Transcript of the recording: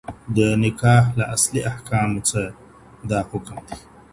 د نکاح له اصلي احکامو څخه دا حکم دی.